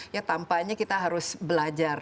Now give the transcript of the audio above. ya tampaknya kita harus belajar